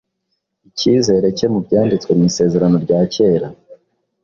icyizere cye mu Byanditswe mu Isezerano rya Kera